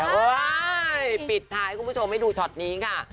เฮ้ยปิดท้ายคุณผู้ชมให้ดูช็อตนี้ค่ะ